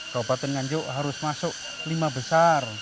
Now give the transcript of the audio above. kabupaten nganjuk harus masuk lima besar